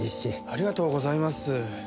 ありがとうございます。